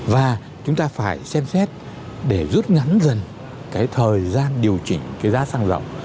và chúng ta phải xem xét để rút ngắn dần cái thời gian điều chỉnh cái giá xăng dầu